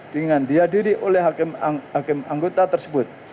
dengan dihadiri oleh hakim anggota tersebut